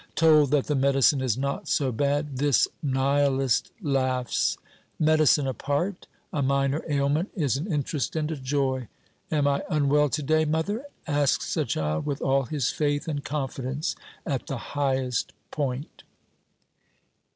Told that the medicine is not so bad, this nihilist laughs. Medicine apart, a minor ailment is an interest and a joy. "Am I unwell to day, mother?" asks a child with all his faith and confidence at the highest point.